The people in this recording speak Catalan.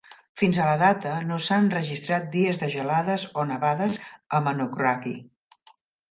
Fins a la data, no s'han registrat dies de gelades o nevades a Manokwari.